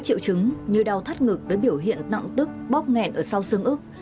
có các triệu chứng như đau thắt ngực với biểu hiện nặng tức bóp nghẹn ở sau xương ức